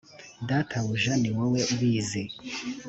databuja ni wowe ubizi .